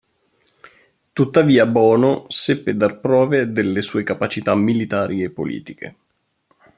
Tuttavia Bono seppe dar prove delle sue capacità militari e politiche.